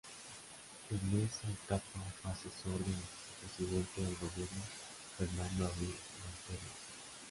En esa etapa fue asesor del vicepresidente del gobierno Fernando Abril Martorell.